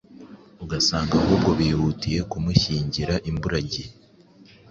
Ugasanga ahubwo bihutiye kumushyingira imburagihe,